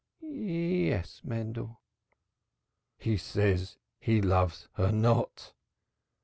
"Yes, Mendel." "He says he loves her not."